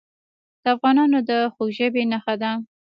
د افغانانو د خوږ ژبۍ نښه ده.